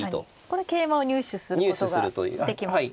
これ桂馬を入手することができますね。